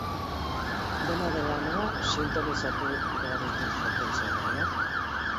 Dena dela, nola sintonizatu behar ditut frekuentzia berriak?